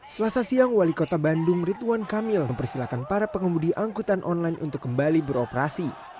selasa siang wali kota bandung ridwan kamil mempersilahkan para pengemudi angkutan online untuk kembali beroperasi